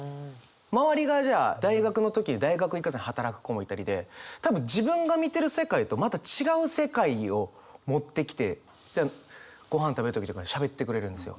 周りがじゃあ大学の時に大学行かずに働く子もいたりで多分自分が見てる世界とまた違う世界を持ってきてごはん食べる時とかしゃべってくれるんですよ。